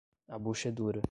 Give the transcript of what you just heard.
A bucha é dura